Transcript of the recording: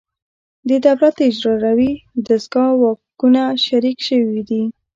د دولت د اجرایوي دستگاه واکونه شریک شوي دي